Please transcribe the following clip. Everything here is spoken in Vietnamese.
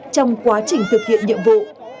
trong quá trình thực hiện nhiệm vụ